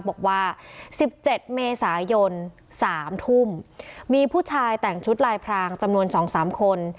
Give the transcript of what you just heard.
บอกว่า๑๗เมษายน๓ทุ่มมีผู้ชายแต่งชุดลายพรางจำนวน๒๓คน